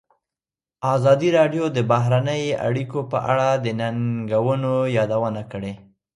ازادي راډیو د بهرنۍ اړیکې په اړه د ننګونو یادونه کړې.